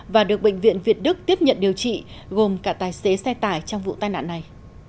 và được bệnh viện việt đức tiếp nhận điều trị gồm cả tài xế xe tải trong vụ tai nạn này